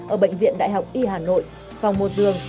ở bệnh viện đại học y hà nội phòng một dường